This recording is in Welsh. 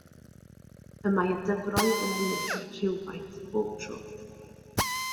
Y mae y dyfroedd yn ennill rhywfaint bob tro.